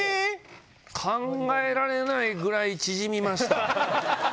⁉考えられないぐらい縮みました